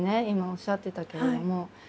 今おっしゃってたけども。